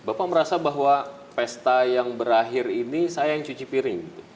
bapak merasa bahwa pesta yang berakhir ini saya yang cuci piring